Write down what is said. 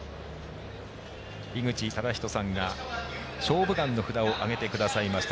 井口資仁さんが「勝負眼」の札を上げてくださいました